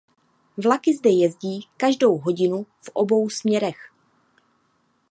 Vlaky zde jezdí každou hodinu v obou směrech.